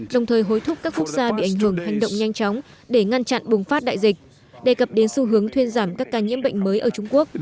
đồng thời hối thúc các quốc gia bị ảnh hưởng hành động nhanh chóng để ngăn chặn bùng phát đại dịch đề cập đến xu hướng thuyên giảm các ca nhiễm bệnh mới ở trung quốc